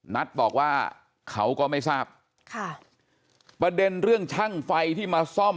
นัทบอกว่าเขาก็ไม่ทราบค่ะประเด็นเรื่องช่างไฟที่มาซ่อม